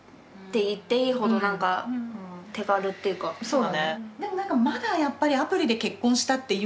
そうだね。